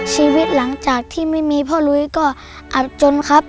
ชีวิตหลังจากที่ไม่มีพ่อลุยก็อับจนครับ